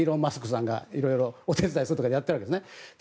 さんが色々、お手伝いするとかやってるわけですね。